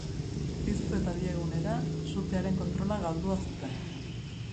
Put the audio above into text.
Piztu eta bi egunera, sutearen kontrola galdua zuten.